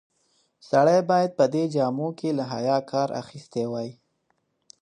سړی باید په دې جامو کې له حیا کار اخیستی وای.